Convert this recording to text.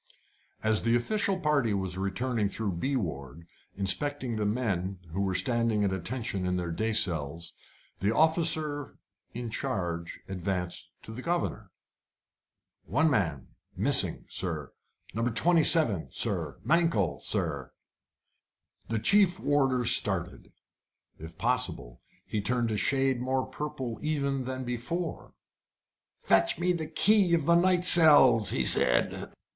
As the official party was returning through B ward, inspecting the men, who were standing at attention in their day cells, the officer in charge advanced to the governor. "One man missing, sir! No. 27, sir! Mankell, sir!" The chief warder started. If possible, he turned a shade more purple even than before. "Fetch me the key of the night cells," he said.